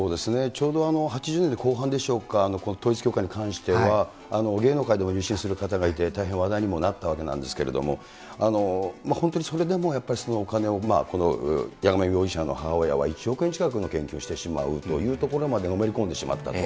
ちょうど８０年代後半でしょうか、この統一教会に関しては、芸能界でも入信する方がいて大変、話題になったわけですけれども、本当にそれでもやっぱり、そのお金を、山上容疑者の母親は１億円近くの献金をしてしまうというところまでのめり込んでしまった。